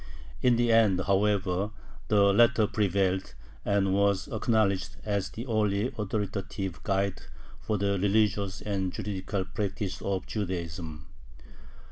In the end, however, the latter prevailed, and was acknowledged as the only authoritative guide for the religious and juridical practice of Judaism.